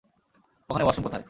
এখানে ওয়াশরুম কোথায়?